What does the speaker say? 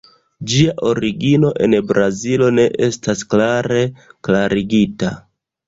Ĝia origino en Brazilo ne estas klare klarigita.